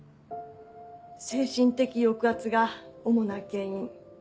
精神的抑圧が主な原因。